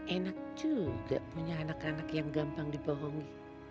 enak juga punya anak anak yang gampang dibohongi